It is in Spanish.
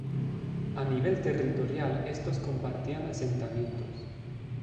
A nivel territorial estos compartían asentamientos.